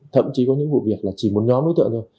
thậm chí có những vụ việc là chỉ một nhóm đối tượng thôi